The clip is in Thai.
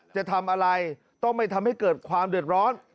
จะทำอะไรต้องไม่ทำให้เกิดความเดือดร้อน